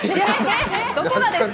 どこがですか？